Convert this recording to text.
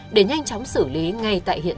để ngăn chặn hành vi của thiện